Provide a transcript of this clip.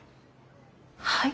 はい？